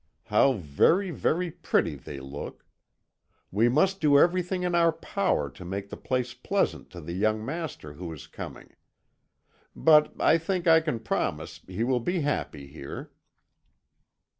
How very, very pretty they look! We must do everything in our power to make the place pleasant to the young master who is coming. But I think I can promise he will be happy here."